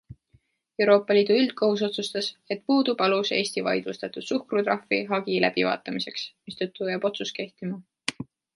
Euroopa Liidu üldkohus otsustas, et puudub alus Eesti vaidlustatud suhkrutrahvi hagi läbivaatamiseks, mistõttu jääb otsus kehtima.